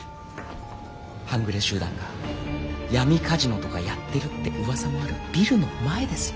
半グレ集団が闇カジノとかやってるってうわさもあるビルの前ですよ。